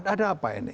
ada apa ini